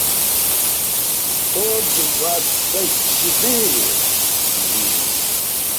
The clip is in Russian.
сто двадцать четыре книги